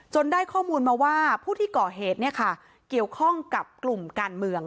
ได้ข้อมูลมาว่าผู้ที่ก่อเหตุเกี่ยวข้องกับกลุ่มการเมือง